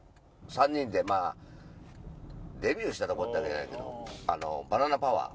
３人でまあデビューしたとこってわけじゃないけどあのバナナパワー。